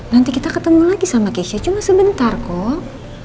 nanti kita ketemu lagi sama kesha cuma sebentar kok